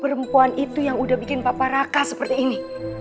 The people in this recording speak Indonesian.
perempuan itu yang udah bikin papa raka seperti ini